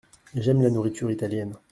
J’aime la nourriture italienne.